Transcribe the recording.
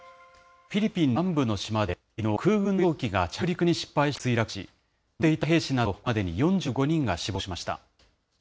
フィリピン南部の島で、きのう、空軍の輸送機が着陸に失敗して墜落し、乗っていた兵士など、これまでに４５人が死亡しました。